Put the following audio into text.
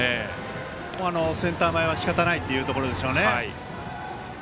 センター前はしかたないというところでしょう。